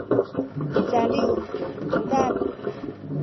micaliw tu cudad